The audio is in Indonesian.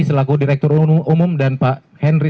selaku direktur umum dan pak henry